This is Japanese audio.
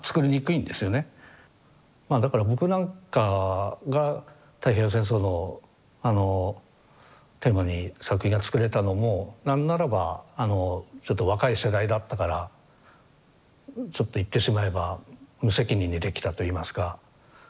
まあだから僕なんかが太平洋戦争のあのテーマに作品を作れたのも何ならばちょっと若い世代だったからちょっと言ってしまえば無責任にできたといいますか。